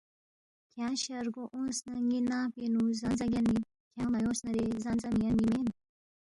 کھیانگ شرگو اونگس نہ ن٘ی ننگ پِنگ نُو زان زا یَنمی، کھیانگ مہ اونگس نارے زان زا مِہ ینمی مین